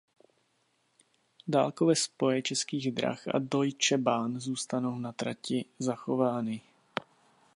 Dálkové spoje Českých drah a Deutsche Bahn zůstanou na trati zachovány.